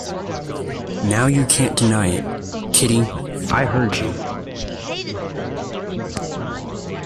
Now you can’t deny it, Kitty: I heard you!